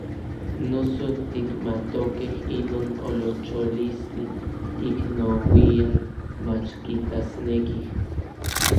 Noso tikmatokej inon olocholistli, ik nouian mach kitasnekij.